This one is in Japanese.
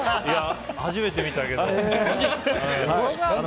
いや、初めて見たけど。